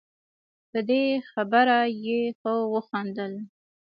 په دې خبره یې ښه وخندل.